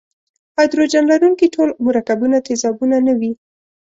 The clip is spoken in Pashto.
هایدروجن لرونکي ټول مرکبونه تیزابونه نه وي.